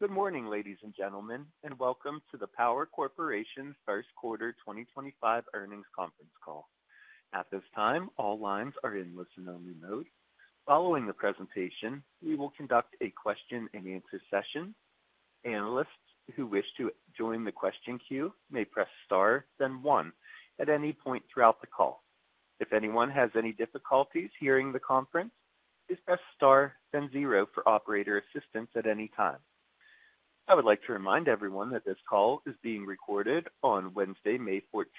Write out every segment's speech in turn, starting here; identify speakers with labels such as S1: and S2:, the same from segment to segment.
S1: Good morning, ladies and gentlemen, and welcome to the Power Corporation First Quarter 2025 Earnings Conference Call. At this time, all lines are in listen-only mode. Following the presentation, we will conduct a question-and-answer session. Analysts who wish to join the question queue may press star, then one, at any point throughout the call. If anyone has any difficulties hearing the conference, please press star, then zero for operator assistance at any time. I would like to remind everyone that this call is being recorded on Wednesday, May 14th,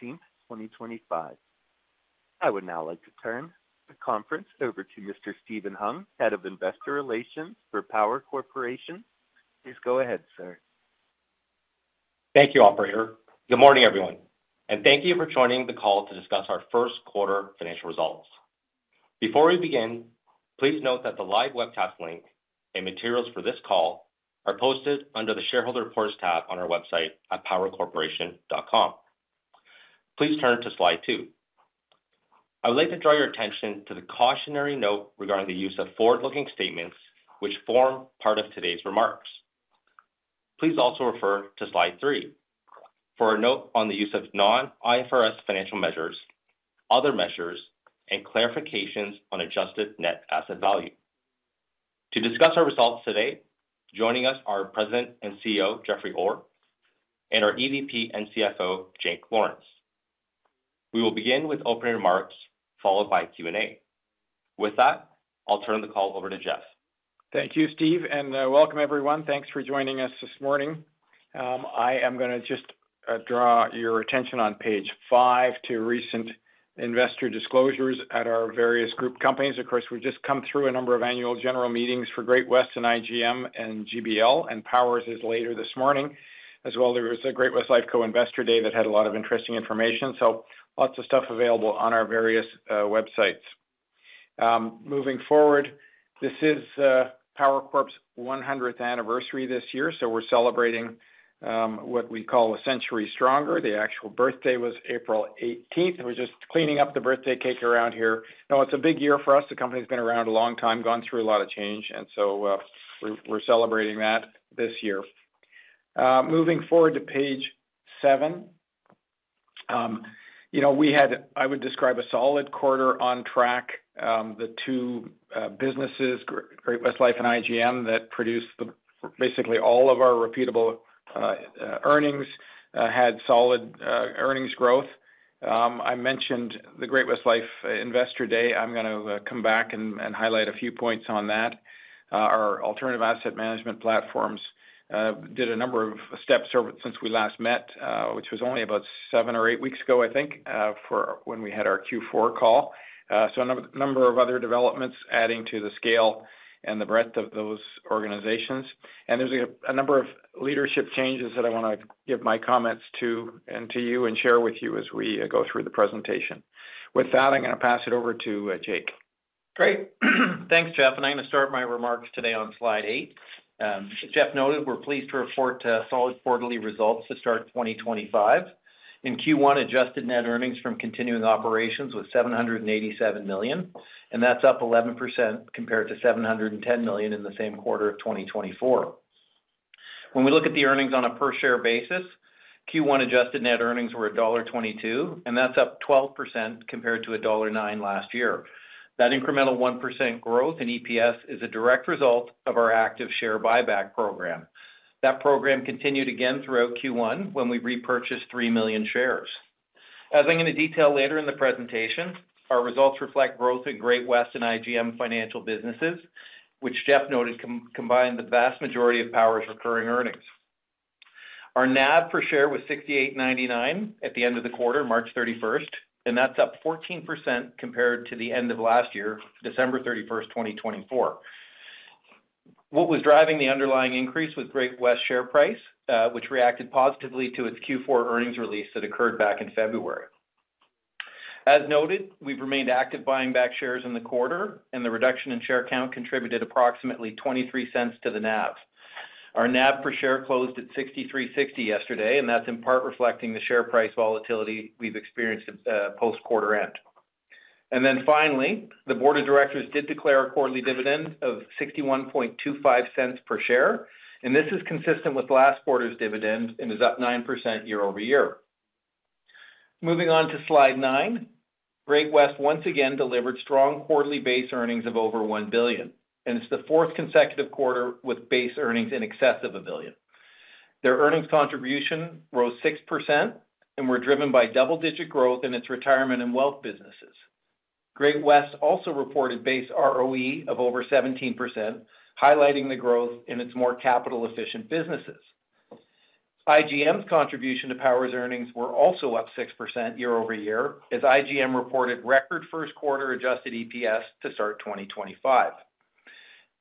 S1: 2025. I would now like to turn the conference over to Mr. Steven Hung, Head of Investor Relations for Power Corporation. Please go ahead, sir.
S2: Thank you, Operator. Good morning, everyone, and thank you for joining the call to discuss our first quarter financial results. Before we begin, please note that the live webcast link and materials for this call are posted under the Shareholder Reports tab on our website at powercorporation.com. Please turn to slide two. I would like to draw your attention to the cautionary note regarding the use of forward-looking statements, which form part of today's remarks. Please also refer to slide three for a note on the use of non-IFRS financial measures, other measures, and clarifications on adjusted net asset value. To discuss our results today, joining us are President and CEO Jeffrey Orr and our EVP and CFO, Jake Lawrence. We will begin with opening remarks followed by Q&A. With that, I'll turn the call over to Jeff.
S3: Thank you, Steve, and welcome, everyone. Thanks for joining us this morning. I am going to just draw your attention on page five to recent investor disclosures at our various group companies. Of course, we've just come through a number of annual general meetings for Great-West and IGM and GBL, and Power's is later this morning. As well, there was a Great-West Lifeco Investor Day that had a lot of interesting information, so lots of stuff available on our various websites. Moving forward, this is Power Corp's 100th anniversary this year, so we're celebrating what we call a century stronger. The actual birthday was April 18th. We're just cleaning up the birthday cake around here. No, it's a big year for us. The company's been around a long time, gone through a lot of change, and so we're celebrating that this year. Moving forward to page seven, you know, we had, I would describe, a solid quarter on track. The two businesses, Great-West Life and IGM, that produced basically all of our repeatable earnings, had solid earnings growth. I mentioned the Great-West Life Investor Day. I'm going to come back and highlight a few points on that. Our alternative asset management platforms did a number of steps since we last met, which was only about seven or eight weeks ago, I think, for when we had our Q4 call. A number of other developments adding to the scale and the breadth of those organizations. There are a number of leadership changes that I want to give my comments to and to you and share with you as we go through the presentation. With that, I'm going to pass it over to Jake.
S4: Great. Thanks, Jeff. I'm going to start my remarks today on slide eight. As Jeff noted, we're pleased to report solid quarterly results to start 2025. In Q1, adjusted net earnings from continuing operations was 787 million, and that's up 11% compared to 710 million in the same quarter of 2024. When we look at the earnings on a per-share basis, Q1 adjusted net earnings were dollar 1.22, and that's up 12% compared to dollar 1.09 last year. That incremental 1% growth in EPS is a direct result of our active share buyback program. That program continued again throughout Q1 when we repurchased 3 million shares. As I'm going to detail later in the presentation, our results reflect growth in Great-West and IGM Financial businesses, which Jeff noted combined the vast majority of Power's recurring earnings. Our NAV per share was 68.99 at the end of the quarter, March 31st, and that's up 14% compared to the end of last year, December 31st, 2024. What was driving the underlying increase was Great-West share price, which reacted positively to its Q4 earnings release that occurred back in February. As noted, we've remained active buying back shares in the quarter, and the reduction in share count contributed approximately 0.23 to the NAV. Our NAV per share closed at 63.60 yesterday, and that's in part reflecting the share price volatility we've experienced post-quarter end. Finally, the board of directors did declare a quarterly dividend of 0.6125 per share, and this is consistent with last quarter's dividend and is up 9% year over year. Moving on to slide nine, Great-West once again delivered strong quarterly base earnings of over $1 billion, and it's the fourth consecutive quarter with base earnings in excess of a billion. Their earnings contribution rose 6% and were driven by double-digit growth in its retirement and wealth businesses. Great-West also reported base ROE of over 17%, highlighting the growth in its more capital-efficient businesses. IGM's contribution to Power's earnings were also up 6% year over year, as IGM reported record first quarter adjusted EPS to start 2025.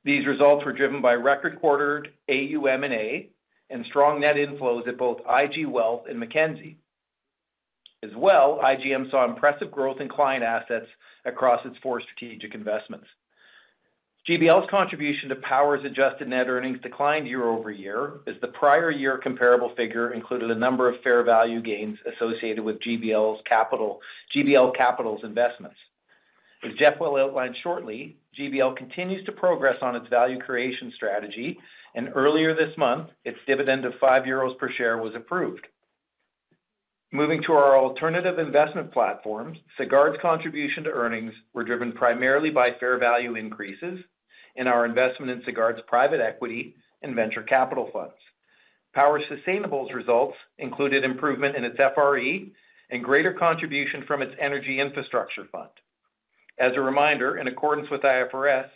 S4: These results were driven by record quarter AUM and strong net inflows at both IG Wealth and Mackenzie. As well, IGM saw impressive growth in client assets across its four strategic investments. GBL's contribution to Power's adjusted net earnings declined year over year, as the prior year comparable figure included a number of fair value gains associated with GBL Capital's investments. As Jeff will outline shortly, GBL continues to progress on its value creation strategy, and earlier this month, its dividend of 5 euros per share was approved. Moving to our alternative investment platforms, Sagard's contribution to earnings were driven primarily by fair value increases in our investment in Sagard's private equity and venture capital funds. Power Sustainable's results included improvement in its FRE and greater contribution from its Energy Infrastructure Fund. As a reminder, in accordance with IFRS,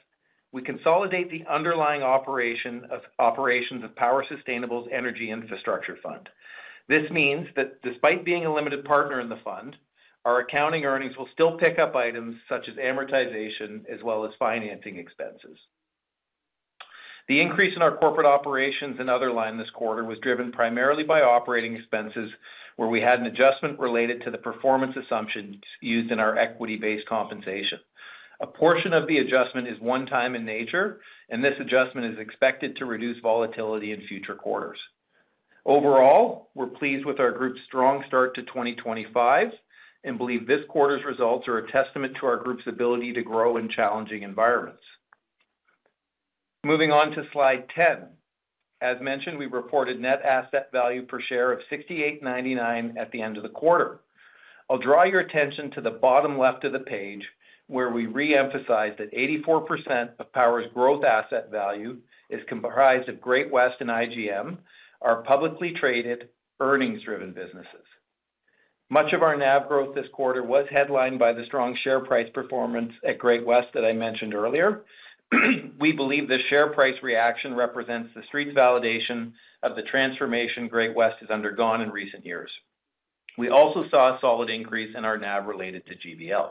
S4: we consolidate the underlying operation of Power Sustainable's Energy Infrastructure Fund. This means that despite being a limited partner in the fund, our accounting earnings will still pick up items such as amortization as well as financing expenses. The increase in our corporate operations and other line this quarter was driven primarily by operating expenses, where we had an adjustment related to the performance assumptions used in our equity-based compensation. A portion of the adjustment is one-time in nature, and this adjustment is expected to reduce volatility in future quarters. Overall, we're pleased with our group's strong start to 2025 and believe this quarter's results are a testament to our group's ability to grow in challenging environments. Moving on to slide ten, as mentioned, we reported net asset value per share of 68.99 at the end of the quarter. I'll draw your attention to the bottom left of the page, where we reemphasize that 84% of Power's growth asset value is comprised of Great-West and IGM Financial, our publicly traded earnings-driven businesses. Much of our NAV growth this quarter was headlined by the strong share price performance at Great-West that I mentioned earlier. We believe the share price reaction represents the street's validation of the transformation Great-West has undergone in recent years. We also saw a solid increase in our NAV related to GBL.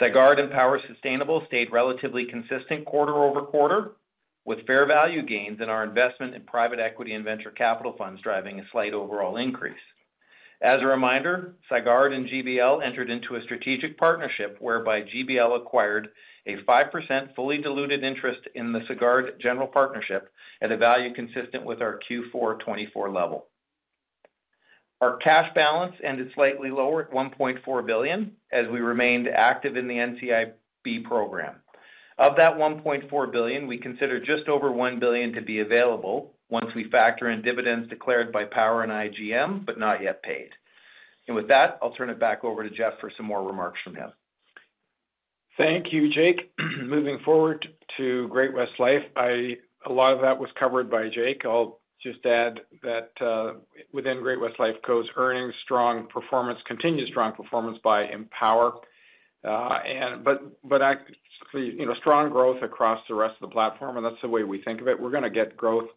S4: Sagard and Power Sustainable stayed relatively consistent quarter over quarter, with fair value gains in our investment in private equity and venture capital funds driving a slight overall increase. As a reminder, Sagard and GBL entered into a strategic partnership whereby GBL acquired a 5% fully diluted interest in the Sagard General Partnership at a value consistent with our Q4 2024 level. Our cash balance ended slightly lower at 1.4 billion as we remained active in the NCIB program. Of that 1.4 billion, we consider just over 1 billion to be available once we factor in dividends declared by Power and IGM, but not yet paid. With that, I'll turn it back over to Jeff for some more remarks from him.
S3: Thank you, Jake. Moving forward to Great-West Life, a lot of that was covered by Jake. I'll just add that within Great-West Lifeco, earnings continued strong performance by Empower. But strong growth across the rest of the platform, and that's the way we think of it. We're going to get growth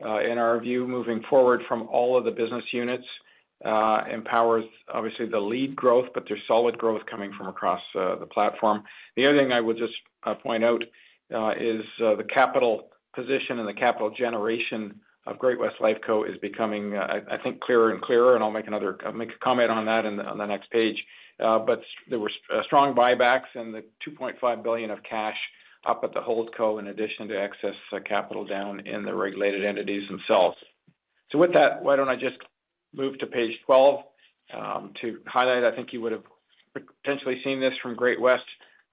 S3: in our view moving forward from all of the business units. Empower is obviously the lead growth, but there's solid growth coming from across the platform. The other thing I would just point out is the capital position and the capital generation of Great-West Lifeco is becoming, I think, clearer and clearer, and I'll make a comment on that on the next page. But there were strong buybacks and the 2.5 billion of cash up at the HoldCo, in addition to excess capital down in the regulated entities themselves. With that, why do I not just move to page 12 to highlight? I think you would have potentially seen this from Great-West,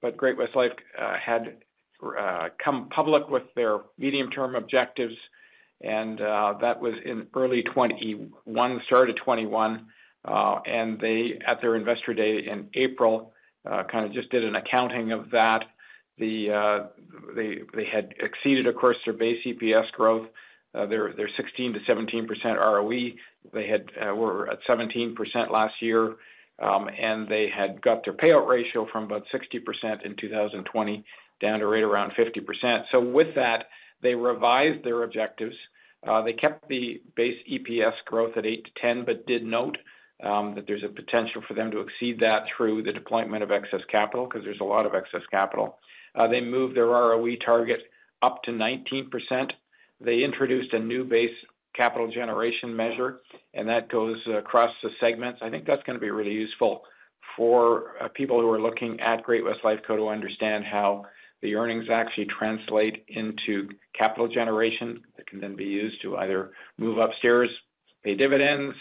S3: but Great-West Life had come public with their medium-term objectives, and that was in early 2021, started 2021. They, at their Investor Day in April, kind of just did an accounting of that. They had exceeded, of course, their base EPS growth. Their 16%-17% ROE, they were at 17% last year, and they had got their payout ratio from about 60% in 2020 down to right around 50%. With that, they revised their objectives. They kept the base EPS growth at 8%-10%, but did note that there is a potential for them to exceed that through the deployment of excess capital because there is a lot of excess capital. They moved their ROE target up to 19%. They introduced a new base capital generation measure, and that goes across the segments. I think that's going to be really useful for people who are looking at Great-West Lifeco to understand how the earnings actually translate into capital generation that can then be used to either move upstairs, pay dividends,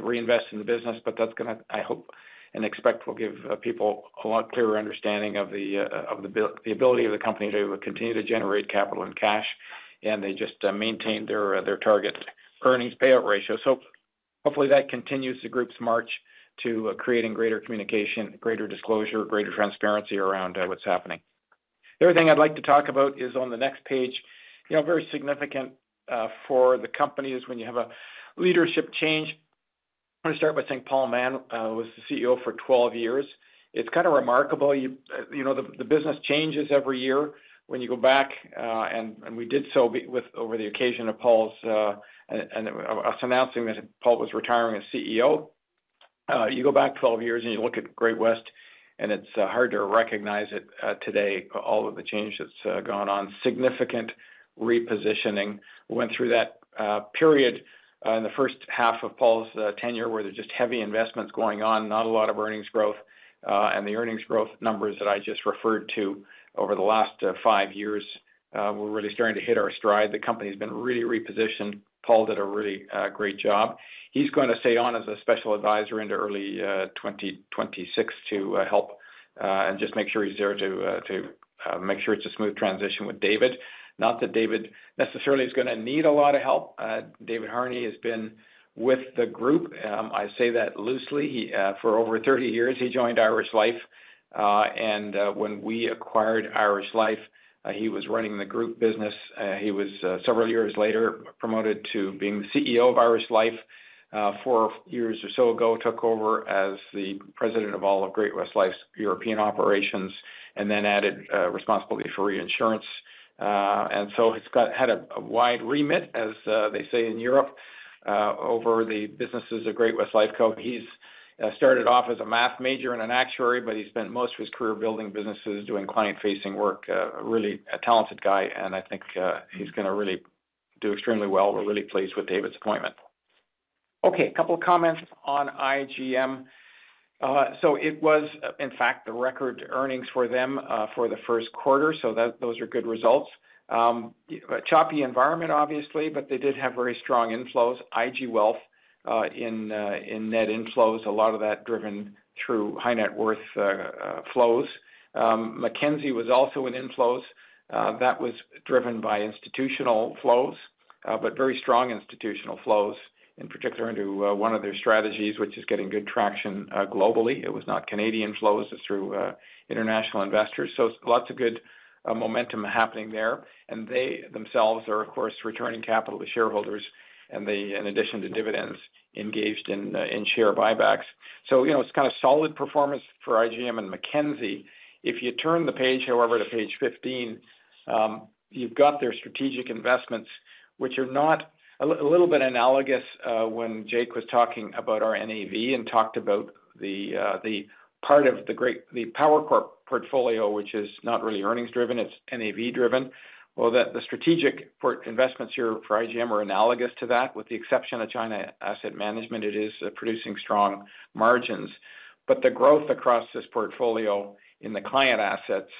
S3: reinvest in the business. That is going to, I hope and expect, give people a lot clearer understanding of the ability of the company to continue to generate capital and cash, and they just maintain their target earnings payout ratio. Hopefully that continues the group's march to creating greater communication, greater disclosure, greater transparency around what's happening. The other thing I'd like to talk about is on the next page, you know, very significant for the company is when you have a leadership change. I want to start with saying Paul Mahon was the CEO for 12 years. It's kind of remarkable. You know, the business changes every year when you go back, and we did so over the occasion of Paul's announcing that Paul was retiring as CEO. You go back 12 years and you look at Great-West, and it's hard to recognize it today, all of the change that's gone on, significant repositioning. We went through that period in the first half of Paul's tenure where there's just heavy investments going on, not a lot of earnings growth. And the earnings growth numbers that I just referred to over the last five years were really starting to hit our stride. The company's been really repositioned. Paul did a really great job. He's going to stay on as a special advisor into early 2026 to help and just make sure he's there to make sure it's a smooth transition with David. Not that David necessarily is going to need a lot of help. David Harney has been with the group, I say that loosely, for over 30 years. He joined Irish Life, and when we acquired Irish Life, he was running the group business. He was several years later promoted to being the CEO of Irish Life. Four years or so ago, took over as the president of all of Great-West Life's European operations, and then added responsibility for reinsurance. He has had a wide remit, as they say in Europe, over the businesses of Great-West Lifeco. He started off as a math major and an actuary, but he spent most of his career building businesses, doing client-facing work. Really a talented guy, and I think he's going to really do extremely well. We're really pleased with David's appointment. Okay, a couple of comments on IGM. It was, in fact, the record earnings for them for the first quarter, so those are good results. Choppy environment, obviously, but they did have very strong inflows. IG Wealth in net inflows, a lot of that driven through high net worth flows. Mackenzie was also in inflows. That was driven by institutional flows, but very strong institutional flows, in particular into one of their strategies, which is getting good traction globally. It was not Canadian flows. It's through international investors. Lots of good momentum happening there. They themselves are, of course, returning capital to shareholders, and they, in addition to dividends, engaged in share buybacks. You know, it's kind of solid performance for IGM and Mackenzie. If you turn the page, however, to page 15, you've got their strategic investments, which are not a little bit analogous when Jake was talking about our NAV and talked about the part of the Power Corp portfolio, which is not really earnings-driven. It's NAV-driven. The strategic investments here for IGM are analogous to that, with the exception of China Asset Management. It is producing strong margins. The growth across this portfolio in the client assets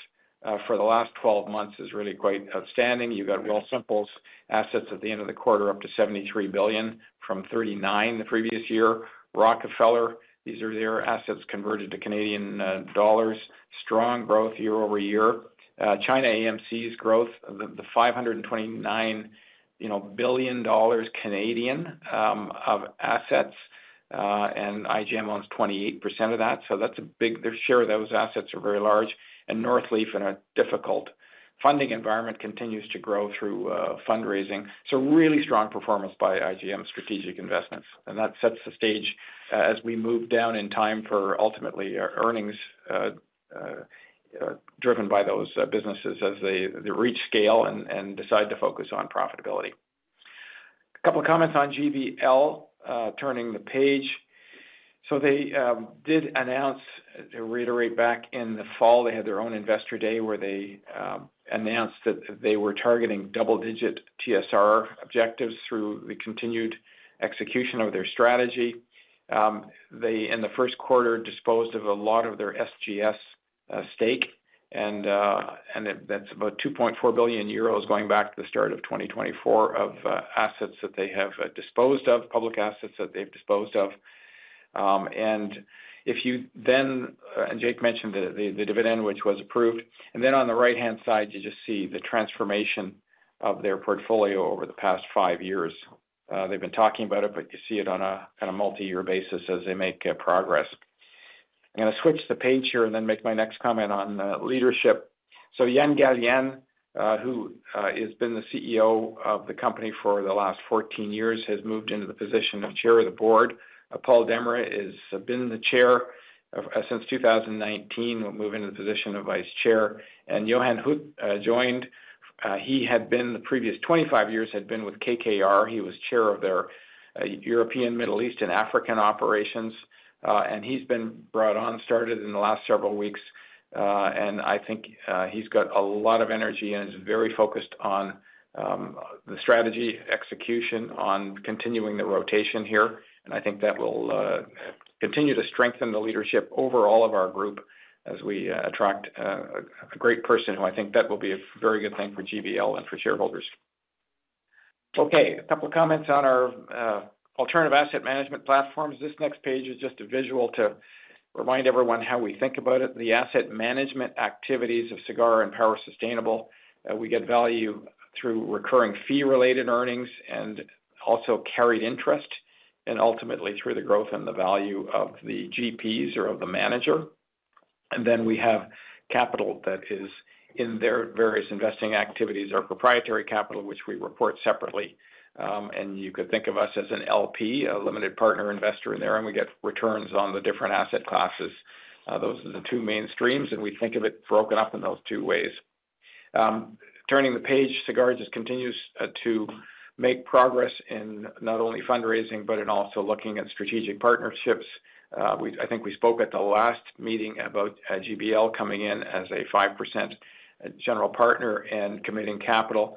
S3: for the last 12 months is really quite outstanding. You've got Wealthsimple's assets at the end of the quarter up to 73 billion from 39 billion the previous year. Rockefeller, these are their assets converted to Canadian dollars. Strong growth year over year. China AMC's growth, the 529 billion dollars of assets, and IGM owns 28% of that. That is a big share of those assets are very large. Northleaf, in a difficult funding environment, continues to grow through fundraising. Really strong performance by IGM's strategic investments. That sets the stage as we move down in time for ultimately earnings driven by those businesses as they reach scale and decide to focus on profitability. A couple of comments on GBL, turning the page. They did announce, to reiterate, back in the fall, they had their own investor day where they announced that they were targeting double-digit TSR objectives through the continued execution of their strategy. They, in the first quarter, disposed of a lot of their SGS stake, and that's about 2.4 billion euros going back to the start of 2024 of assets that they have disposed of, public assets that they've disposed of. If you then, and Jake mentioned the dividend, which was approved, on the right-hand side, you just see the transformation of their portfolio over the past five years. They've been talking about it, but you see it on a kind of multi-year basis as they make progress. I'm going to switch the page here and then make my next comment on leadership. Yann Gallien, who has been the CEO of the company for the last 14 years, has moved into the position of Chair of the Board. Paul Demmerlé has been the Chair since 2019, moving into the position of Vice Chair. Johan Hoet joined. He had been the previous 25 years, had been with KKR. He was chair of their European, Middle East and African operations. He's been brought on, started in the last several weeks. I think he's got a lot of energy and is very focused on the strategy execution on continuing the rotation here. I think that will continue to strengthen the leadership over all of our group as we attract a great person who I think that will be a very good thing for GBL and for shareholders. Okay, a couple of comments on our alternative asset management platforms. This next page is just a visual to remind everyone how we think about it. The asset management activities of Sagard and Power Sustainable, we get value through recurring fee-related earnings and also carried interest, and ultimately through the growth and the value of the GPs or of the manager. Then we have capital that is in their various investing activities, our proprietary capital, which we report separately. You could think of us as an LP, a limited partner investor in there, and we get returns on the different asset classes. Those are the two main streams, and we think of it broken up in those two ways. Turning the page, Sagard just continues to make progress in not only fundraising, but in also looking at strategic partnerships. I think we spoke at the last meeting about GBL coming in as a 5% general partner and committing capital.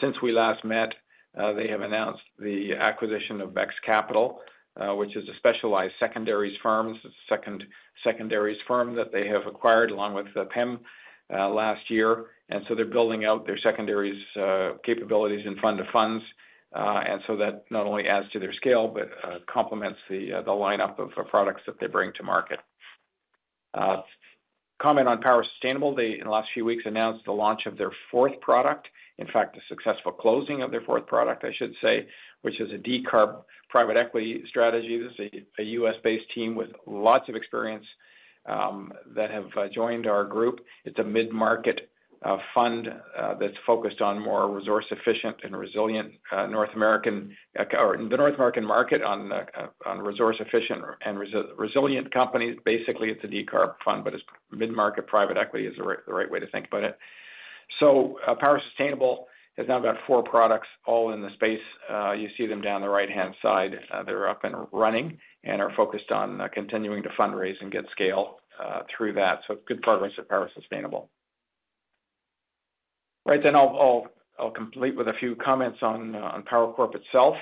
S3: Since we last met, they have announced the acquisition of VEX Capital, which is a specialized secondaries firm that they have acquired along with PIM last year. They are building out their secondaries capabilities and fund to funds. That not only adds to their scale, but complements the lineup of products that they bring to market. Comment on Power Sustainable. They, in the last few weeks, announced the launch of their fourth product, in fact, a successful closing of their fourth product, I should say, which is a decarb private equity strategy. This is a U.S.-based team with lots of experience that have joined our group. It is a mid-market fund that is focused on more resource-efficient and resilient North American market on resource-efficient and resilient companies. Basically, it is a decarb fund, but it is mid-market private equity is the right way to think about it. Power Sustainable has now got four products all in the space. You see them down the right-hand side. They're up and running and are focused on continuing to fundraise and get scale through that. Good progress at Power Sustainable. Right, I'll complete with a few comments on Power Corp itself.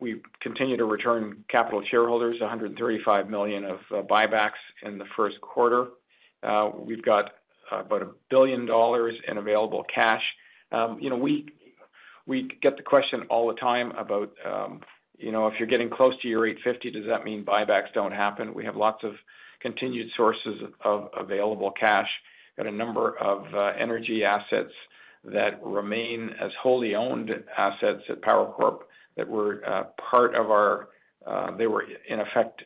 S3: We continue to return capital to shareholders, 135 million of buybacks in the first quarter. We've got about 1 billion dollars in available cash. You know, we get the question all the time about, you know, if you're getting close to your 850 million, does that mean buybacks don't happen? We have lots of continued sources of available cash. We've got a number of energy assets that remain as wholly owned assets at Power Corporation that were part of our, they were in effect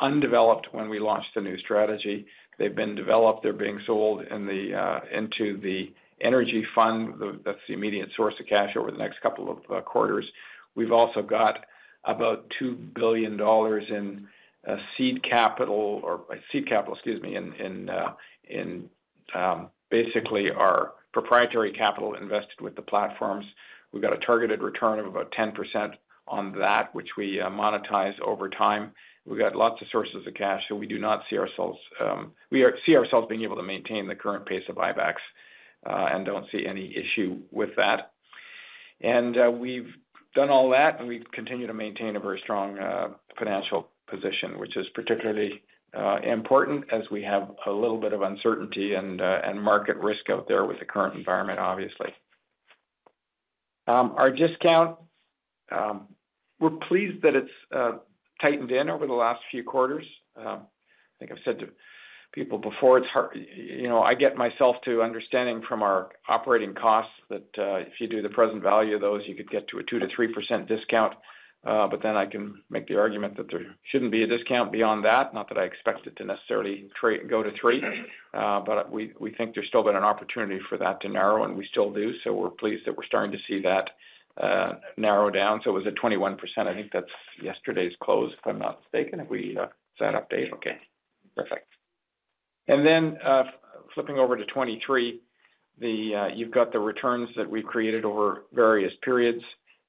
S3: undeveloped when we launched the new strategy. They've been developed. They're being sold into the energy fund. That's the immediate source of cash over the next couple of quarters. We've also got about 2 billion dollars in seed capital, or seed capital, excuse me, in basically our proprietary capital invested with the platforms. We've got a targeted return of about 10% on that, which we monetize over time. We've got lots of sources of cash, so we do not see ourselves, we see ourselves being able to maintain the current pace of buybacks and don't see any issue with that. We've done all that, and we continue to maintain a very strong financial position, which is particularly important as we have a little bit of uncertainty and market risk out there with the current environment, obviously. Our discount, we're pleased that it's tightened in over the last few quarters. I think I've said to people before, it's hard, you know, I get myself to understanding from our operating costs that if you do the present value of those, you could get to a 2-3% discount. But then I can make the argument that there shouldn't be a discount beyond that. Not that I expect it to necessarily go to three, but we think there's still been an opportunity for that to narrow, and we still do. We're pleased that we're starting to see that narrow down. It was at 21%. I think that's yesterday's close, if I'm not mistaken. If we set update, okay. Perfect. Flipping over to 23, you've got the returns that we've created over various periods.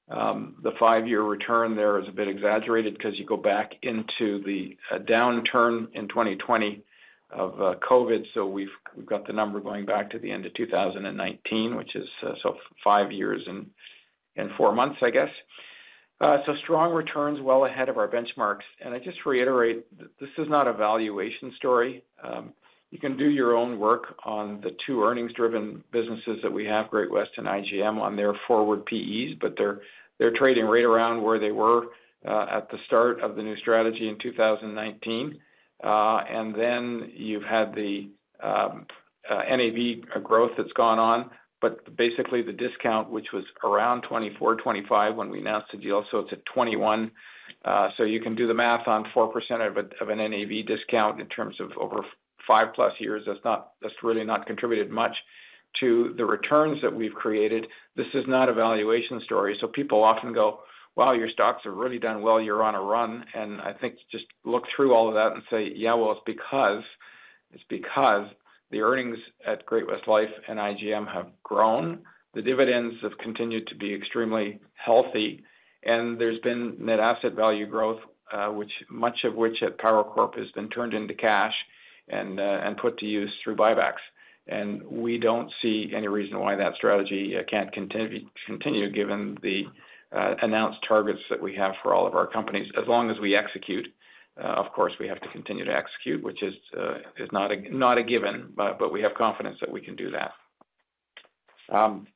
S3: The five-year return there is a bit exaggerated because you go back into the downturn in 2020 of COVID. We've got the number going back to the end of 2019, which is five years and four months, I guess. Strong returns, well ahead of our benchmarks. I just reiterate, this is not a valuation story. You can do your own work on the two earnings-driven businesses that we have, Great-West and IGM, on their forward PEs, but they're trading right around where they were at the start of the new strategy in 2019. You've had the NAV growth that's gone on, but basically the discount, which was around 24%-25% when we announced the deal, is at 21%. You can do the math on 4% of an NAV discount in terms of over five plus years. That's really not contributed much to the returns that we've created. This is not a valuation story. People often go, "Wow, your stocks have really done well. You're on a run." I think just look through all of that and say, "Yeah, well, it's because the earnings at Great-West Life and IGM have grown. The dividends have continued to be extremely healthy. There's been net asset value growth, much of which at Power Corp has been turned into cash and put to use through buybacks." We do not see any reason why that strategy cannot continue given the announced targets that we have for all of our companies. As long as we execute, of course, we have to continue to execute, which is not a given, but we have confidence that we can do that. I'm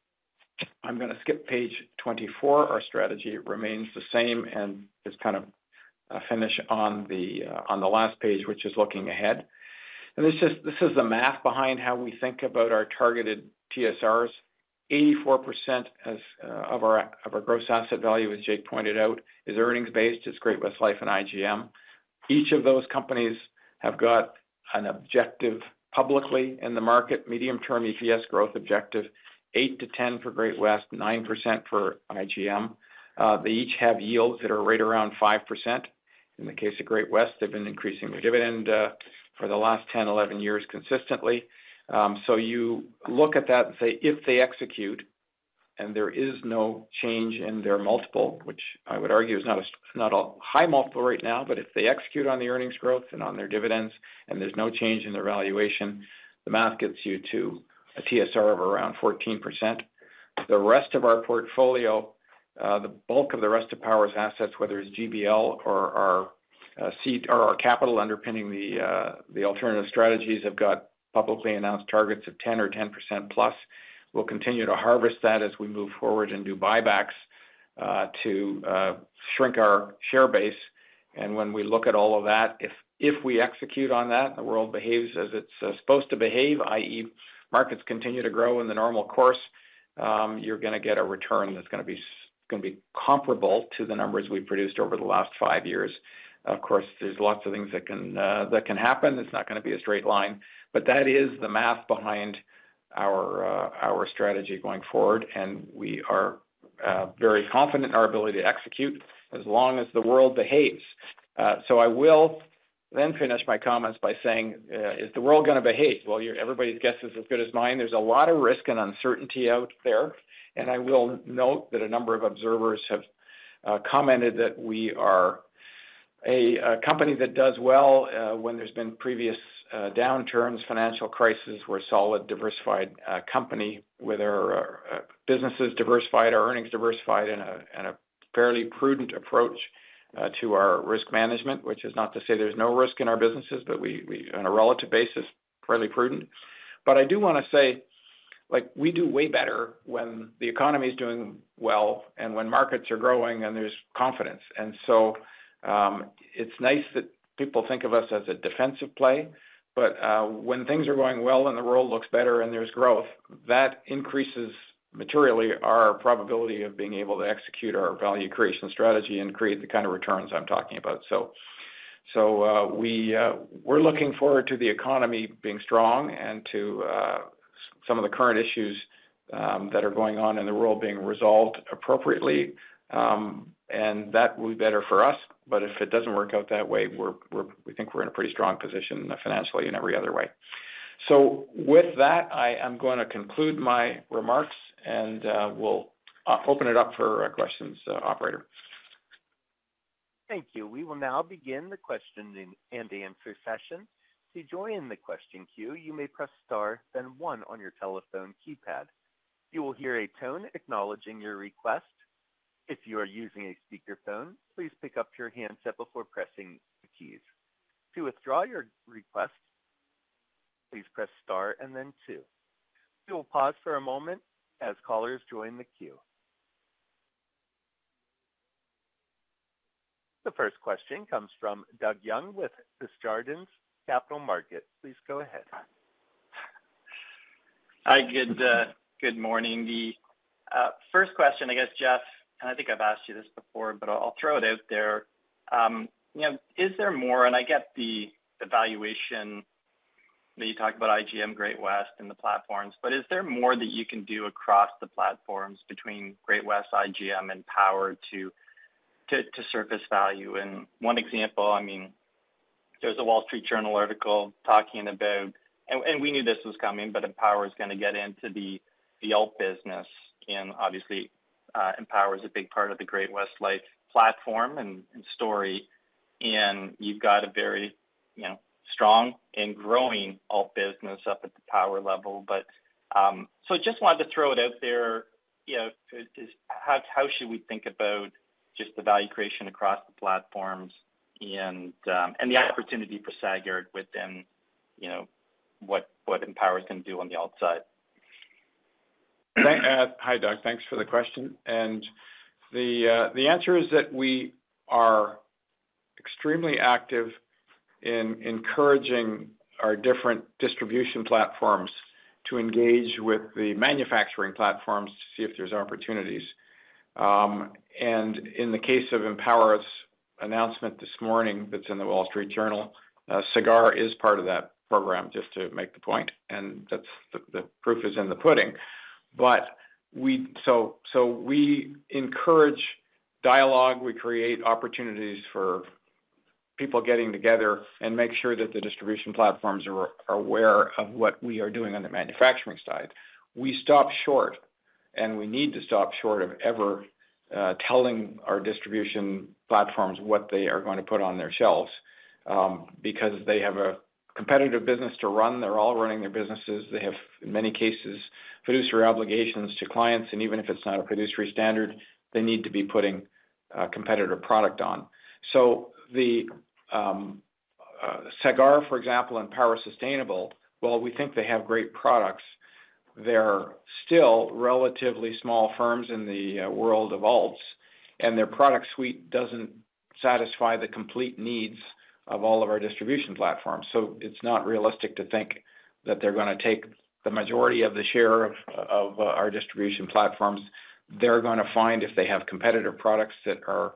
S3: going to skip page 24. Our strategy remains the same and just kind of finish on the last page, which is looking ahead. This is the math behind how we think about our targeted TSRs. 84% of our gross asset value, as Jake pointed out, is earnings-based. It is Great-West Life and IGM. Each of those companies have got an objective publicly in the market, medium-term EPS growth objective, 8%-10% for Great-West, 9% for IGM. They each have yields that are right around 5%. In the case of Great-West, they have been increasing their dividend for the last 10, 11 years consistently. You look at that and say, "If they execute and there is no change in their multiple," which I would argue is not a high multiple right now, but if they execute on the earnings growth and on their dividends and there is no change in their valuation, the math gets you to a TSR of around 14%. The rest of our portfolio, the bulk of the rest of Power's assets, whether it's GBL or our capital underpinning the alternative strategies, have got publicly announced targets of 10% or 10%+. We'll continue to harvest that as we move forward and do buybacks to shrink our share base. When we look at all of that, if we execute on that and the world behaves as it's supposed to behave, i.e., markets continue to grow in the normal course, you're going to get a return that's going to be comparable to the numbers we've produced over the last five years. Of course, there's lots of things that can happen. It's not going to be a straight line, but that is the math behind our strategy going forward. We are very confident in our ability to execute as long as the world behaves. I will then finish my comments by saying, "Is the world going to behave?" Everybody's guess is as good as mine. There is a lot of risk and uncertainty out there. I will note that a number of observers have commented that we are a company that does well when there have been previous downturns. Financial crises were a solid diversified company with our businesses diversified, our earnings diversified, and a fairly prudent approach to our risk management, which is not to say there is no risk in our businesses, but we, on a relative basis, are fairly prudent. I do want to say, like, we do way better when the economy is doing well and when markets are growing and there is confidence. It is nice that people think of us as a defensive play, but when things are going well and the world looks better and there is growth, that increases materially our probability of being able to execute our value creation strategy and create the kind of returns I am talking about. We are looking forward to the economy being strong and to some of the current issues that are going on in the world being resolved appropriately. That will be better for us. If it does not work out that way, we think we are in a pretty strong position financially in every other way. With that, I am going to conclude my remarks and we will open it up for questions, Operator.
S1: Thank you. We will now begin the question and answer session. To join the question queue, you may press star, then one on your telephone keypad. You will hear a tone acknowledging your request. If you are using a speakerphone, please pick up your handset before pressing the keys. To withdraw your request, please press star and then two. We will pause for a moment as callers join the queue. The first question comes from Doug Young with Desjardins Capital Market. Please go ahead.
S5: Hi, good morning. The first question, I guess, Jeff, and I think I've asked you this before, but I'll throw it out there. Is there more, and I get the valuation that you talk about IGM, Great-West, and the platforms, but is there more that you can do across the platforms between Great-West, IGM, and Power to surface value? One example, I mean, there's a Wall Street Journal article talking about, and we knew this was coming, but Power is going to get into the alt business. Obviously, Power is a big part of the Great-West Life platform and story. You have a very strong and growing alt business up at the Power level. I just wanted to throw it out there. How should we think about the value creation across the platforms and the opportunity for Sagard within what Power is going to do on the alt side?
S3: Hi, Doug. Thanks for the question. The answer is that we are extremely active in encouraging our different distribution platforms to engage with the manufacturing platforms to see if there are opportunities. In the case of Empower's announcement this morning that is in the Wall Street Journal, Sagard is part of that program, just to make the point. The proof is in the pudding. We encourage dialogue. We create opportunities for people getting together and make sure that the distribution platforms are aware of what we are doing on the manufacturing side. We stop short, and we need to stop short of ever telling our distribution platforms what they are going to put on their shelves because they have a competitive business to run. They're all running their businesses. They have, in many cases, producer obligations to clients. And even if it's not a producer standard, they need to be putting a competitor product on. So Sagard, for example, and Power Sustainable, while we think they have great products, they're still relatively small firms in the world of alts, and their product suite doesn't satisfy the complete needs of all of our distribution platforms. It's not realistic to think that they're going to take the majority of the share of our distribution platforms. They're going to find if they have competitor products that are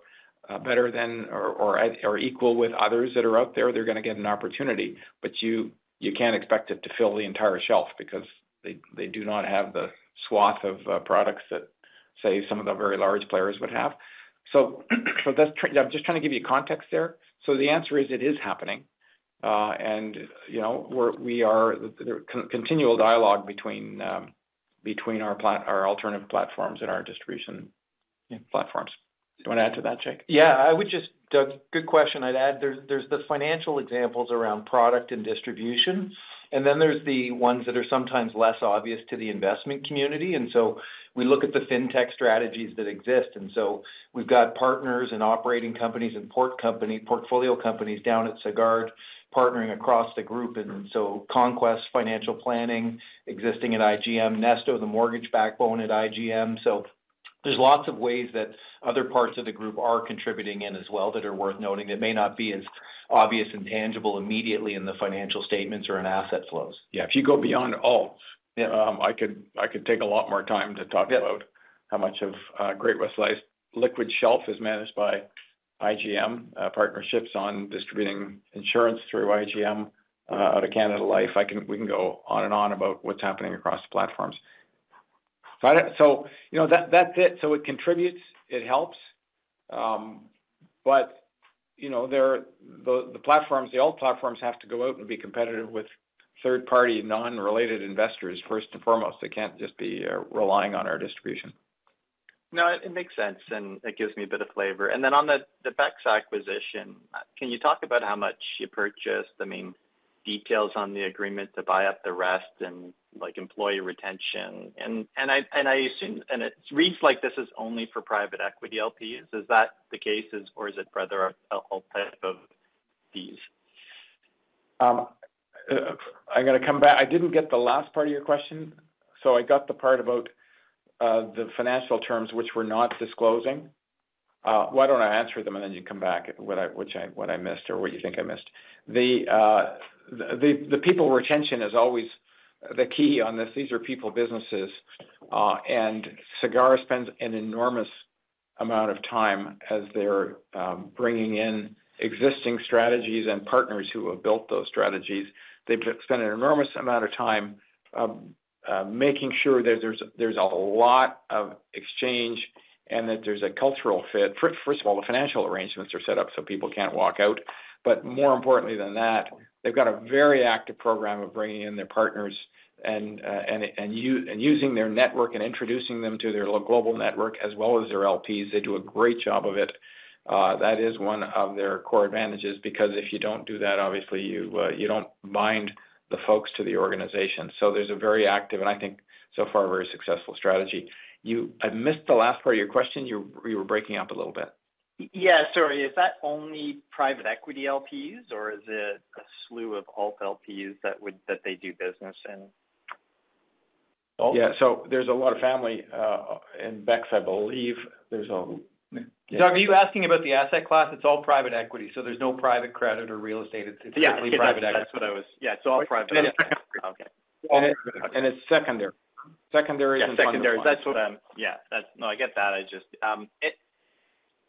S3: better than or equal with others that are out there, they're going to get an opportunity. You can't expect it to fill the entire shelf because they do not have the swath of products that, say, some of the very large players would have. I'm just trying to give you context there. The answer is it is happening. We are in continual dialogue between our alternative platforms and our distribution platforms. Do you want to add to that, Jake?
S4: Yeah, I would just, Doug, good question. I'd add there's the financial examples around product and distribution, and then there's the ones that are sometimes less obvious to the investment community. We look at the fintech strategies that exist. We have partners and operating companies and portfolio companies down at Sagard partnering across the group. Conquest Financial Planning, existing at IGM, Nesto, the mortgage backbone at IGM. There are lots of ways that other parts of the group are contributing in as well that are worth noting that may not be as obvious and tangible immediately in the financial statements or in asset flows.
S3: If you go beyond alts, I could take a lot more time to talk about how much of Great-West Life's liquid shelf is managed by IGM, partnerships on distributing insurance through IGM out of Canada Life. We can go on and on about what is happening across the platforms. That is it. It contributes. It helps. The platforms, the alt platforms have to go out and be competitive with third-party non-related investors first and foremost. They can't just be relying on our distribution.
S5: No, it makes sense. It gives me a bit of flavor. On the Beck's acquisition, can you talk about how much you purchased, I mean, details on the agreement to buy up the rest and employee retention? I assume it reads like this is only for private equity LPs. Is that the case, or is it rather a type of fees?
S3: I'm going to come back. I didn't get the last part of your question. I got the part about the financial terms, which we're not disclosing. Why don't I answer them and then you come back, what I missed or what you think I missed. The people retention is always the key on this. These are people businesses. Sagard spends an enormous amount of time as they're bringing in existing strategies and partners who have built those strategies. They've spent an enormous amount of time making sure that there's a lot of exchange and that there's a cultural fit. First of all, the financial arrangements are set up so people can't walk out. More importantly than that, they've got a very active program of bringing in their partners and using their network and introducing them to their global network as well as their LPs. They do a great job of it. That is one of their core advantages because if you don't do that, obviously, you don't bind the folks to the organization. There's a very active, and I think so far a very successful strategy. I missed the last part of your question. You were breaking up a little bit.
S5: Yeah, sorry. Is that only private equity LPs, or is it a slew of alt LPs that they do business in?
S3: Yeah, so there's a lot of family and Beck's, I believe.
S4: Doug, are you asking about the asset class? It's all private equity. So there's no private credit or real estate. It's typically private equity.
S5: Yeah, that's what I was—yeah,
S3: it's all private equity.
S5: Okay.
S3: And it's secondary. Secondary and fundamental.
S5: Secondary. Yeah. No, I get that.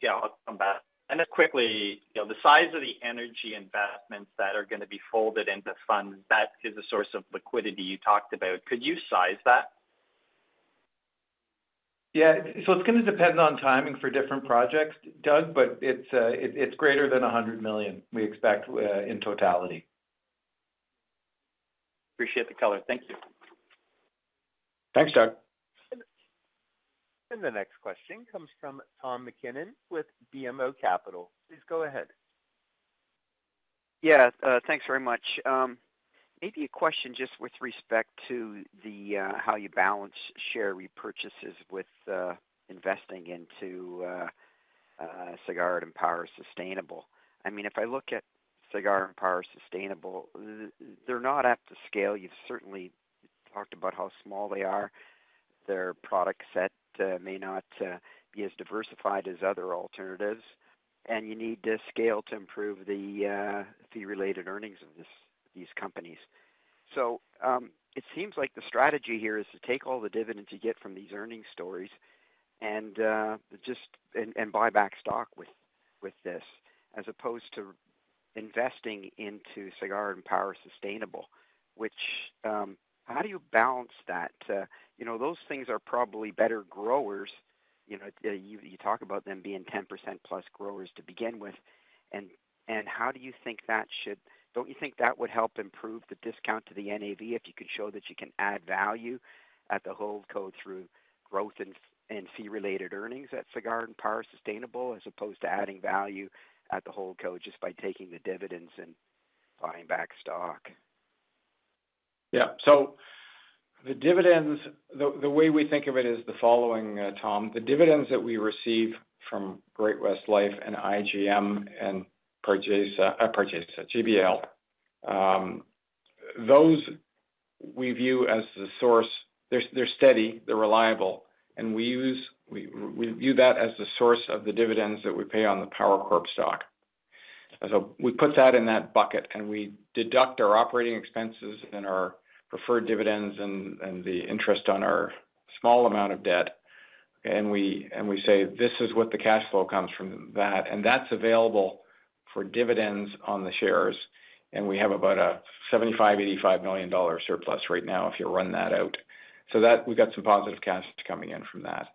S5: Yeah, I'll come back. And then quickly, the size of the energy investments that are going to be folded into funds that is a source of liquidity you talked about. Could you size that?
S3: Yeah. So it's going to depend on timing for different projects, Doug, but it's greater than 100 million we expect in totality.
S5: Appreciate the color. Thank you.
S3: Thanks, Doug.
S1: The next question comes from Tom MacKinnon with BMO Capital. Please go ahead.
S6: Yeah, thanks very much. Maybe a question just with respect to how you balance share repurchases with investing into Sagard and Power Sustainable. I mean, if I look at Sagard and Power Sustainable, they're not at the scale. You've certainly talked about how small they are. Their product set may not be as diversified as other alternatives. And you need to scale to improve the fee-related earnings of these companies. It seems like the strategy here is to take all the dividends you get from these earnings stories and buy back stock with this as opposed to investing into Sagard and Power Sustainable, which how do you balance that? Those things are probably better growers. You talk about them being 10%+ growers to begin with. How do you think that should—do not you think that would help improve the discount to the NAV if you could show that you can add value at the HoldCo through growth and fee-related earnings at Sagard and Power Sustainable as opposed to adding value at the HoldCo just by taking the dividends and buying back stock?
S3: Yeah. The dividends, the way we think of it is the following, Tom. The dividends that we receive from Great-West Life and IGM and GBL, those we view as the source. They are steady. They are reliable. We view that as the source of the dividends that we pay on the Power Corp stock. We put that in that bucket, and we deduct our operating expenses and our preferred dividends and the interest on our small amount of debt. We say, "This is what the cash flow comes from that." That is available for dividends on the shares. We have about 75 million-85 million dollar surplus right now if you run that out. We have some positive cash coming in from that.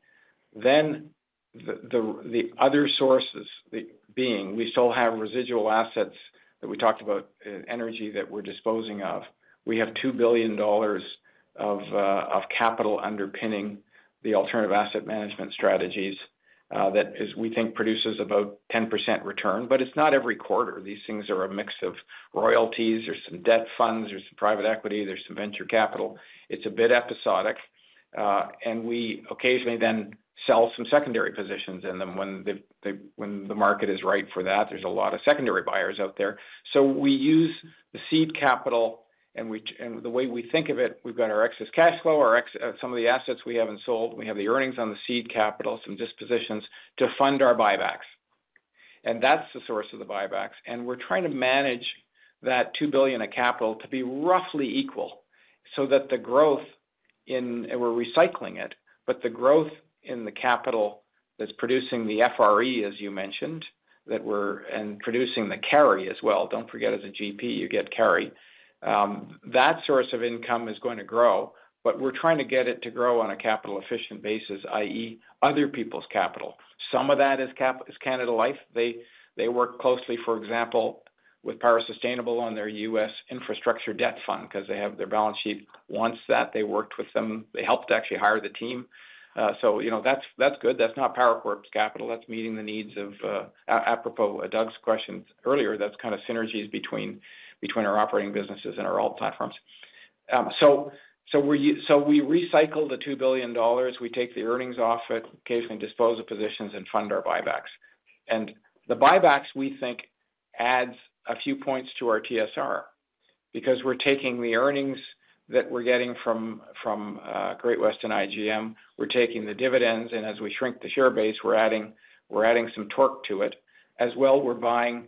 S3: The other sources being, we still have residual assets that we talked about, energy that we are disposing of. We have 2 billion dollars of capital underpinning the alternative asset management strategies that we think produces about 10% return. It is not every quarter. These things are a mix of royalties. There are some debt funds. There is some private equity. There is some venture capital. It is a bit episodic. We occasionally then sell some secondary positions. When the market is right for that, there are a lot of secondary buyers out there. We use the seed capital. The way we think of it, we've got our excess cash flow, some of the assets we haven't sold. We have the earnings on the seed capital, some dispositions to fund our buybacks. That's the source of the buybacks. We're trying to manage that 2 billion of capital to be roughly equal so that the growth in—we're recycling it—the growth in the capital that's producing the FRE, as you mentioned, and producing the carry as well. Don't forget, as a GP, you get carry. That source of income is going to grow. We're trying to get it to grow on a capital-efficient basis, i.e., other people's capital. Some of that is Canada Life. They work closely, for example, with Power Sustainable on their U.S. infrastructure debt fund because they have their balance sheet once that they worked with them. They helped actually hire the team. So that's good. That's not Power Corp's capital. That's meeting the needs of, apropos Doug's question earlier, that's kind of synergies between our operating businesses and our alt platforms. So we recycle the 2 billion dollars. We take the earnings off it, occasionally dispose of positions, and fund our buybacks. And the buybacks, we think, adds a few points to our TSR because we're taking the earnings that we're getting from Great-West and IGM. We're taking the dividends. And as we shrink the share base, we're adding some torque to it. As well, we're buying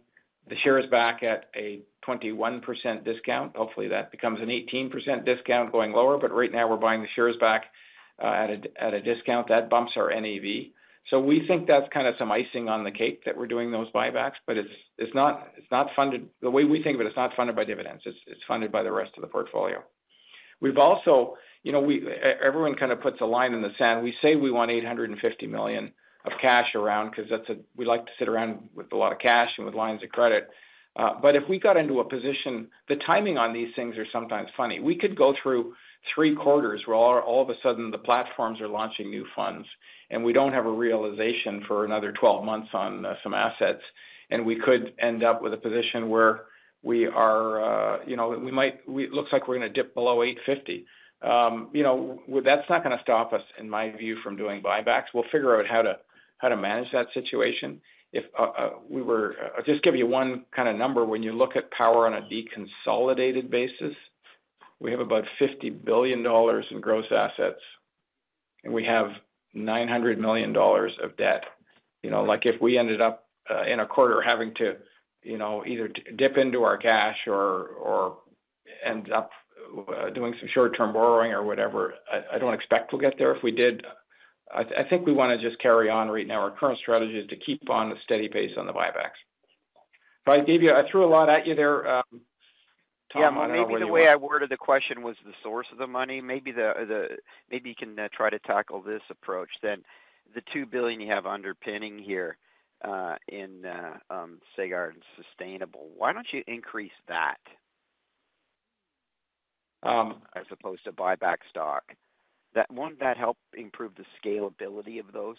S3: the shares back at a 21% discount. Hopefully, that becomes an 18% discount going lower. But right now, we're buying the shares back at a discount. That bumps our NAV. So we think that's kind of some icing on the cake that we're doing those buybacks. It is not funded—the way we think of it, it is not funded by dividends. It is funded by the rest of the portfolio. We have also—everyone kind of puts a line in the sand. We say we want 850 million of cash around because we like to sit around with a lot of cash and with lines of credit. If we got into a position, the timing on these things is sometimes funny. We could go through three quarters where all of a sudden the platforms are launching new funds, and we do not have a realization for another 12 months on some assets. We could end up with a position where we are—it looks like we are going to dip below 850 million. That is not going to stop us, in my view, from doing buybacks. We will figure out how to manage that situation. If we were—I'll just give you one kind of number. When you look at Power on a deconsolidated basis, we have about 50 billion dollars in gross assets, and we have 900 million dollars of debt. If we ended up in a quarter having to either dip into our cash or end up doing some short-term borrowing or whatever, I don't expect we'll get there. If we did, I think we want to just carry on right now. Our current strategy is to keep on a steady pace on the buybacks. I threw a lot at you there, Tom.
S6: Maybe the way I worded the question was the source of the money. Maybe you can try to tackle this approach then. The 2 billion you have underpinning here in Sagard and Sustainable, why don't you increase that as opposed to buy back stock? Wouldn't that help improve the scalability of those?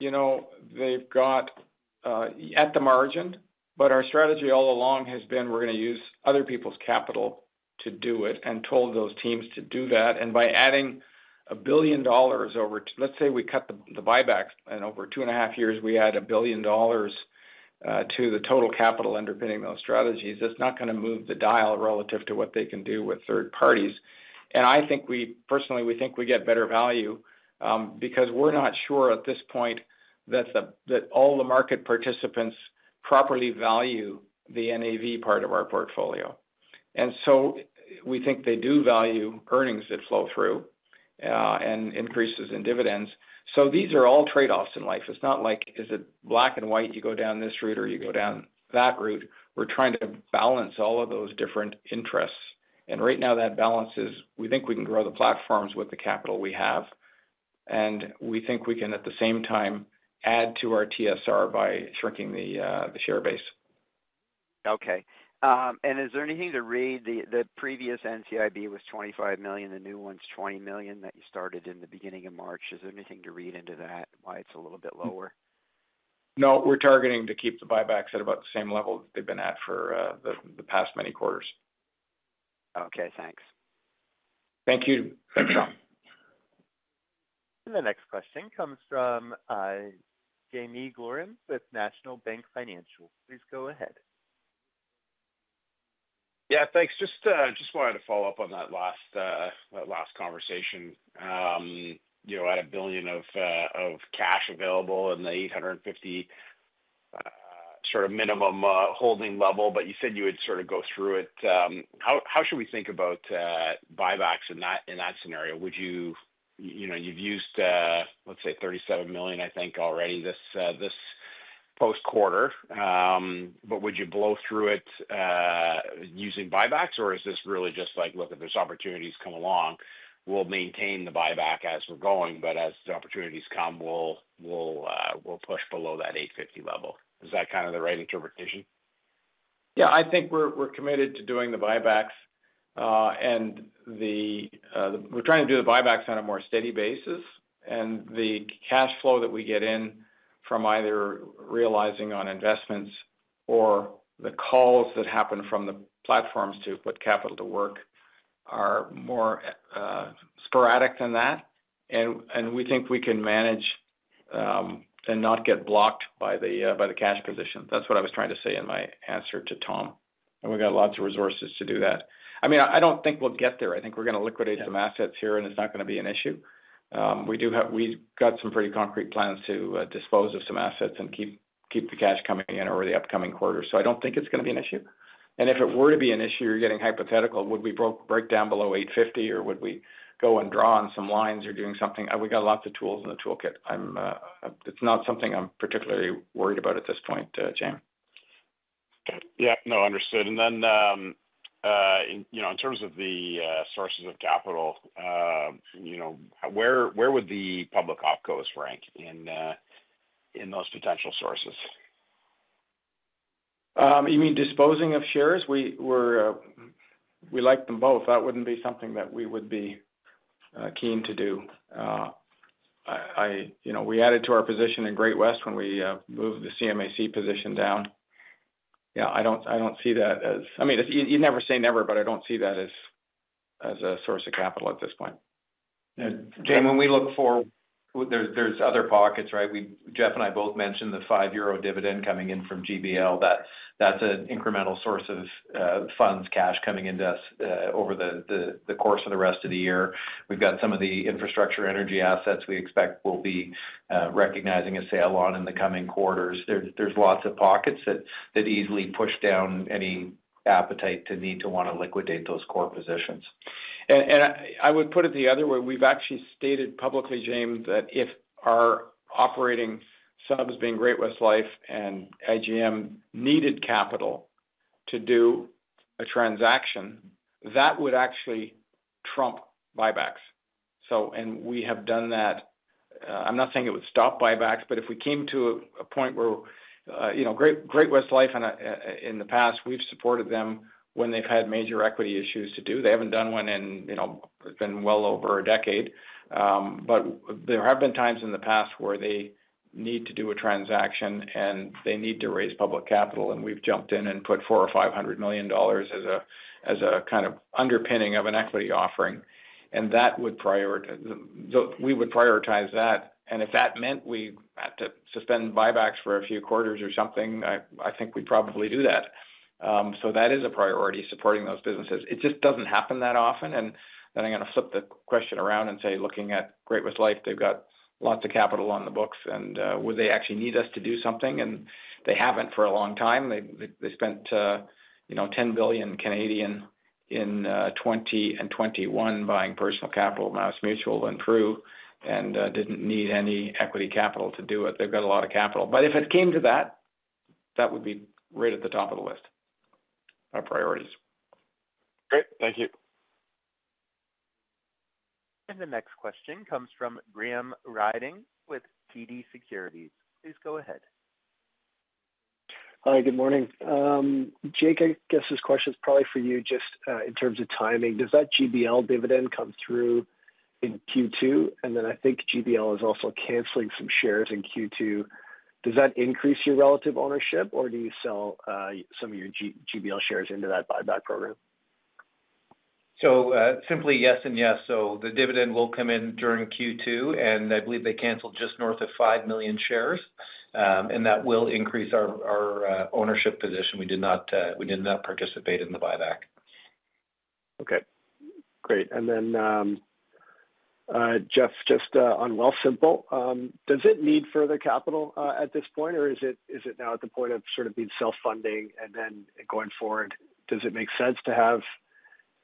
S3: They've got at the margin, but our strategy all along has been we're going to use other people's capital to do it and told those teams to do that. By adding 1 billion dollars over—let's say we cut the buybacks and over two and a half years, we add 1 billion dollars to the total capital underpinning those strategies. That's not going to move the dial relative to what they can do with third parties. I think we personally, we think we get better value because we're not sure at this point that all the market participants properly value the NAV part of our portfolio. We think they do value earnings that flow through and increases in dividends. These are all trade-offs in life. It's not like, is it black and white? You go down this route or you go down that route. We're trying to balance all of those different interests. Right now, that balance is we think we can grow the platforms with the capital we have. We think we can, at the same time, add to our TSR by shrinking the share base.
S6: Okay. Is there anything to read? The previous NCIB was 25 million. The new one's 20 million that you started in the beginning of March. Is there anything to read into that, why it's a little bit lower?
S3: No, we're targeting to keep the buybacks at about the same level that they've been at for the past many quarters.
S6: Okay. Thanks.
S3: Thank you, Tom.
S1: The next question comes from Jaeme Gloyn with National Bank Financial. Please go ahead.
S7: Yeah, thanks. Just wanted to follow up on that last conversation. You had 1 billion of cash available and the 850 million sort of minimum holding level, but you said you would sort of go through it. How should we think about buybacks in that scenario? You've used, let's say, 37 million, I think, already this post-quarter. Would you blow through it using buybacks, or is this really just like, "Look, if opportunities come along, we'll maintain the buyback as we're going. As the opportunities come, we'll push below that 850 million level"? Is that kind of the right interpretation?
S3: Yeah. I think we're committed to doing the buybacks. We're trying to do the buybacks on a more steady basis. The cash flow that we get in from either realizing on investments or the calls that happen from the platforms to put capital to work are more sporadic than that. We think we can manage and not get blocked by the cash position. That is what I was trying to say in my answer to Tom. We got lots of resources to do that. I mean, I do not think we will get there. I think we are going to liquidate some assets here, and it is not going to be an issue. We have got some pretty concrete plans to dispose of some assets and keep the cash coming in over the upcoming quarter. I do not think it is going to be an issue. If it were to be an issue, you are getting hypothetical, would we break down below 850 million, or would we go and draw on some lines or do something? We have got lots of tools in the toolkit. It is not something I am particularly worried about at this point, Jaeme.
S7: Yeah. No, understood. In terms of the sources of capital, where would the public opcos rank in those potential sources?
S3: You mean disposing of shares? We like them both. That would not be something that we would be keen to do. We added to our position in Great-West when we moved the CMAC position down. Yeah. I do not see that as—I mean, you never say never, but I do not see that as a source of capital at this point.
S4: Jaeme, when we look forward, there are other pockets, right? Jeff and I both mentioned the 5 euro dividend coming in from GBL. That is an incremental source of funds, cash coming into us over the course of the rest of the year. We have some of the infrastructure energy assets we expect we will be recognizing a sale on in the coming quarters. are lots of pockets that easily push down any appetite to need to want to liquidate those core positions.
S3: I would put it the other way. We have actually stated publicly, Jaeme, that if our operating sub has been Great-West Life and IGM needed capital to do a transaction, that would actually trump buybacks. We have done that. I am not saying it would stop buybacks, but if we came to a point where Great-West Life in the past, we have supported them when they have had major equity issues to do. They have not done one in—it has been well over a decade. There have been times in the past where they need to do a transaction, and they need to raise public capital. We have jumped in and put 400 million or 500 million dollars as a kind of underpinning of an equity offering. That would prioritize—we would prioritize that. If that meant we had to suspend buybacks for a few quarters or something, I think we'd probably do that. That is a priority, supporting those businesses. It just does not happen that often. I am going to flip the question around and say, looking at Great-West Life, they have got lots of capital on the books. Would they actually need us to do something? They have not for a long time. They spent 10 billion in 2021 buying Personal Capital, MassMutual, and Pru, and did not need any equity capital to do it. They have got a lot of capital. If it came to that, that would be right at the top of the list, our priorities.
S7: Great. Thank you.
S1: The next question comes from Graham Ryding with TD Securities. Please go ahead.
S8: Hi. Good morning. Jake, I guess this question's probably for you just in terms of timing. Does that GBL dividend come through in Q2? And then I think GBL is also canceling some shares in Q2. Does that increase your relative ownership, or do you sell some of your GBL shares into that buyback program?
S4: So simply, yes and yes. The dividend will come in during Q2. I believe they canceled just north of 5 million shares. That will increase our ownership position. We did not participate in the buyback.
S8: Okay. Great. And then, Jeff, just on Wealthsimple, does it need further capital at this point, or is it now at the point of sort of being self-funding? Then going forward, does it make sense to have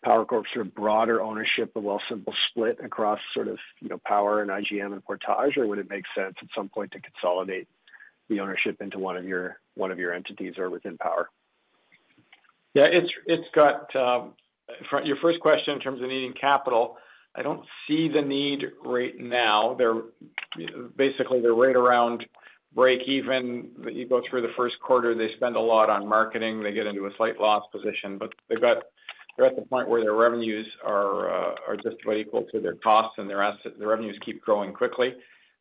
S8: Power Corp sort of broader ownership of Wealthsimple split across sort of Power and IGM and Portage, or would it make sense at some point to consolidate the ownership into one of your entities or within Power?
S3: Yeah. Your first question in terms of needing capital, I do not see the need right now. Basically, they are right around break-even. You go through the first quarter, they spend a lot on marketing. They get into a slight loss position. They are at the point where their revenues are just about equal to their costs, and their revenues keep growing quickly.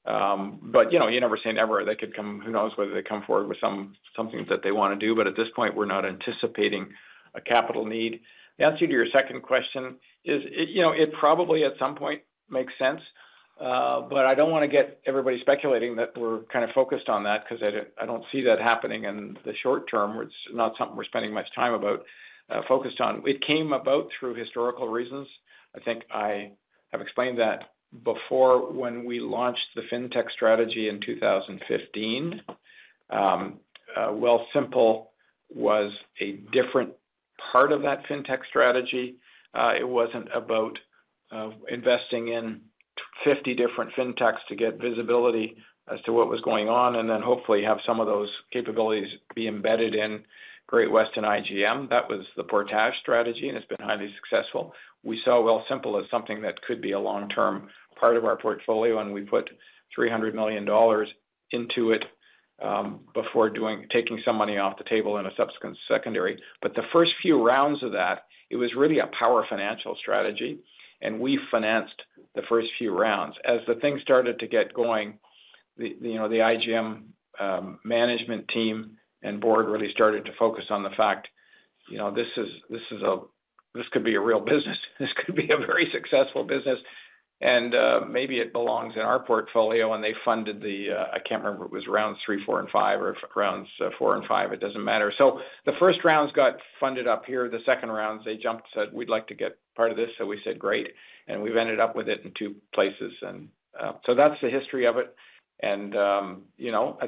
S3: You never say never. Who knows whether they come forward with something that they want to do. At this point, we are not anticipating a capital need. The answer to your second question is it probably at some point makes sense. I don't want to get everybody speculating that we're kind of focused on that because I don't see that happening in the short term. It's not something we're spending much time about focused on. It came about through historical reasons. I think I have explained that before. When we launched the fintech strategy in 2015, Wealthsimple was a different part of that fintech strategy. It wasn't about investing in 50 different fintechs to get visibility as to what was going on and then hopefully have some of those capabilities be embedded in Great-West and IGM. That was the Portage strategy, and it's been highly successful. We saw Wealthsimple as something that could be a long-term part of our portfolio, and we put 300 million dollars into it before taking some money off the table in a subsequent secondary. The first few rounds of that, it was really a Power Financial strategy. We financed the first few rounds. As the thing started to get going, the IGM management team and board really started to focus on the fact, "This could be a real business. This could be a very successful business. Maybe it belongs in our portfolio." They funded the—I can't remember if it was rounds three, four, and five, or rounds four and five. It does not matter. The first rounds got funded up here. The second rounds, they jumped and said, "We'd like to get part of this." We said, "Great." We have ended up with it in two places. That is the history of it. At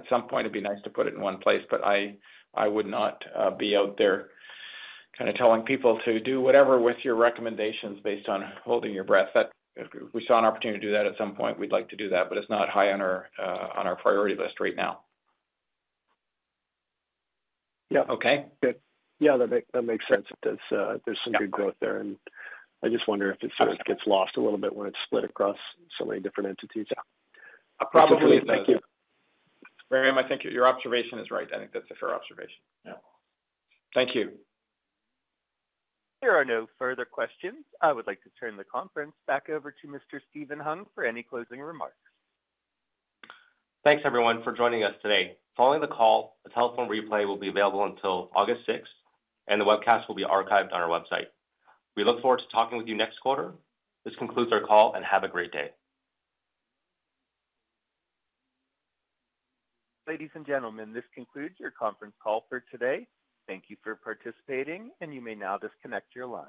S3: some point, it'd be nice to put it in one place, but I would not be out there kind of telling people to do whatever with your recommendations based on holding your breath. If we saw an opportunity to do that at some point, we'd like to do that. It is not high on our priority list right now.
S8: Yeah. Okay. Yeah. That makes sense. There is some good growth there. I just wonder if it sort of gets lost a little bit when it is split across so many different entities. Probably.
S3: Thank you. Graham, I think your observation is right. I think that is a fair observation. Yeah. Thank you.
S1: There are no further questions. I would like to turn the conference back over to Mr. Steven Hung for any closing remarks.
S2: Thanks, everyone, for joining us today. Following the call, a telephone replay will be available until August 6th, and the webcast will be archived on our website. We look forward to talking with you next quarter. This concludes our call, and have a great day.
S1: Ladies and gentlemen, this concludes your conference call for today. Thank you for participating, and you may now disconnect your line.